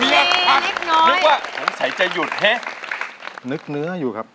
มีอาการหลังเลนิกน้อย